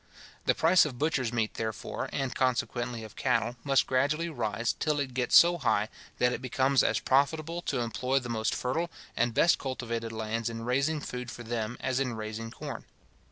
The price of butcher's meat, therefore, and, consequently, of cattle, must gradually rise, till it gets so high, that it becomes as profitable to employ the most fertile and best cultivated lands in raising food for them as in raising corn.